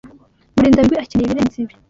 Murindabigwi akeneye ibirenze ibi.